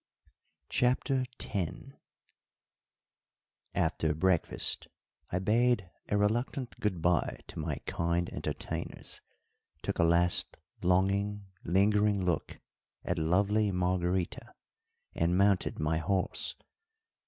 CHAPTER X After breakfast I bade a reluctant good bye to my kind entertainers, took a last longing, lingering look at lovely Margarita, and mounted my horse.